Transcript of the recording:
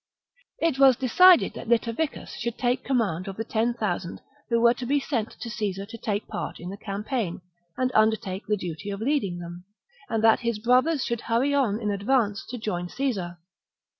It was decided that Litaviccus should take command VII OF VERCINGETORIX 235 of the ten thousand who were to be sent 52 b.c. to Caesar to take part in the campaign, and undertake the duty of leading them, and that his brothers should hurry on in advance to join Caesar.